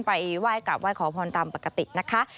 ไปไหว้กลับไหว้ขอพรตามปกตินะคะ